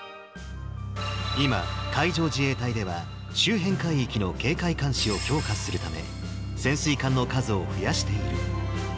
今、海上自衛隊では、周辺海域の警戒監視を強化するため、潜水艦の数を増やしている。